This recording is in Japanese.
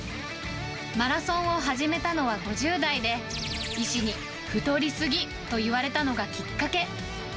マラソンを始めたのは５０代で、医師に太りすぎと言われたのがきっかけ。